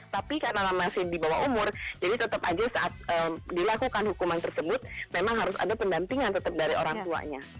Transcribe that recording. tapi karena masih di bawah umur jadi tetap aja saat dilakukan hukuman tersebut memang harus ada pendampingan tetap dari orang tuanya